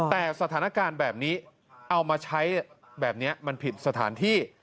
แต่สถานการณ์แบบนี้เอามาใช้แบบนี้มันผิดสถานที่